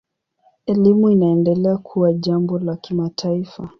Elimu inaendelea kuwa jambo la kimataifa.